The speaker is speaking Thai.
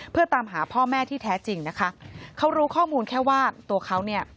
เพื่อตามหาพ่อแม่ที่แท้จริงนะคะเขารู้ข้อมูลแค่ว่าตัวเขาเนี่ย